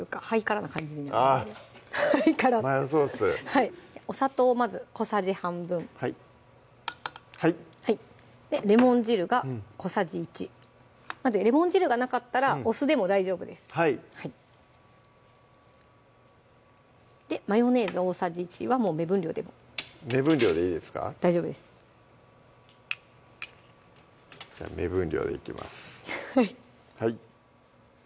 はいお砂糖をまず小さじ半分はいレモン汁が小さじ１レモン汁がなかったらお酢でも大丈夫ですはいマヨネーズ大さじ１はもう目分量でも目分量でいいですか大丈夫ですじゃあ目分量でいきます